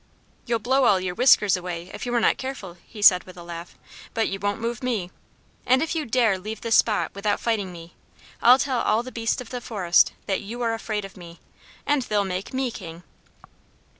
"You'll blow all your whiskers away if you are not careful," he said, with a laugh "but you won't move me. And if you dare leave this spot without fighting me, I'll tell all the beasts of the forest that you are afraid of me, and they'll make me King."